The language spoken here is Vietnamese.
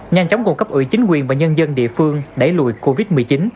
nhanh chóng cùng cấp ủy chính quyền và nhân dân địa phương đẩy lùi covid một mươi chín